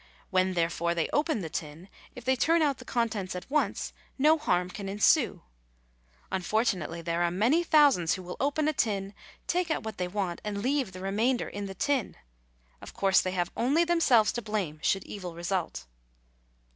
When, therefore, they open the tin, if they turn out the contents at once no harm can ensue. Unfortunately, there are many thousands who will open a tin, take out what they want, and leave the remainder in the tin. Of course, they have only themselves to blame should evil result.